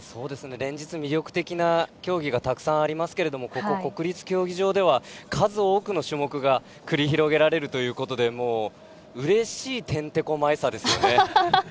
連日魅力的な競技がたくさんありますけれどもここ、国立競技場では数多くの種目が繰り広げられるということでうれしいてんてこ舞いさですよね。